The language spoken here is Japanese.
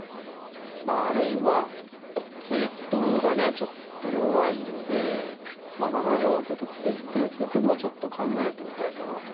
まああるいは桂頭がねちょっと弱いので７四歩と突いていく手もちょっと考えてみたいかなと。